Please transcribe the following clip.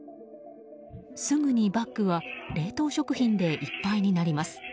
すぐにバッグは冷凍食品でいっぱいになります。